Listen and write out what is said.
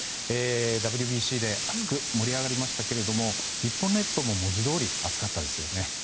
ＷＢＣで熱く盛り上がりましたが日本列島も文字どおり暑かったですよね。